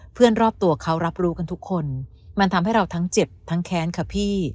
รอบตัวเขารับรู้กันทุกคนมันทำให้เราทั้งเจ็บทั้งแค้นค่ะพี่